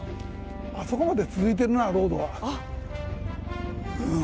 あそこまで続いているなロードが。